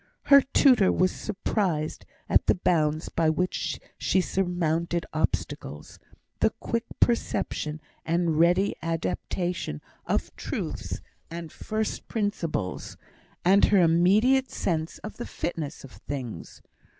Her tutor was surprised at the bounds by which she surmounted obstacles, the quick perception and ready adaptation of truths and first principles, and her immediate sense of the fitness of things.